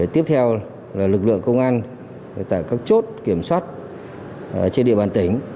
tiếp theo là lực lượng công an tại các chốt kiểm soát trên địa bàn tỉnh